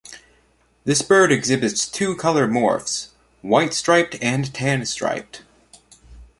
This bird exhibits two color morphs - white striped and tan striped.